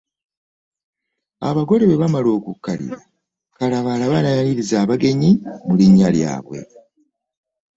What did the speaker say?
Abagole bwe bamala okukkalira kalabaalaba n’ayaniriza abagenyi mu linnya lyabwe.